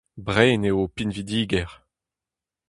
Brein eo ho pinvidigezh.